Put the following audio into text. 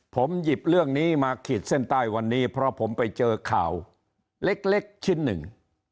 ผมหยิบเรื่องนี้มาขีดเส้นใต้วันนี้เพราะผมไปเจอข่าวเล็กชิ้นหนึ่ง